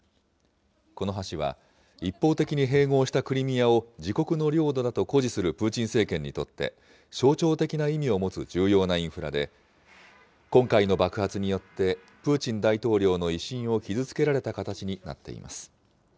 この橋は、一方的に併合したクリミアを自国の領土だと誇示するプーチン政権にとって象徴的な意味を持つ重要なインフラで、今回の爆発によってプーチン大統領の威信を傷つけられた形になっています。